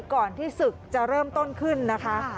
ก่อนที่ศึกจะเริ่มต้นขึ้นนะคะ